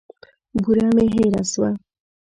بوره مي هېره سوه .